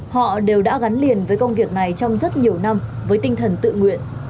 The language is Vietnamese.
họ đều đã gắn liền với công việc này trong rất nhiều năm với tinh thần tự nguyện